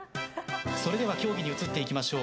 それでは競技に移っていきましょう。